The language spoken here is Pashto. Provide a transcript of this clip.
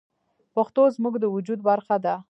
پښتو زموږ د وجود برخه ده.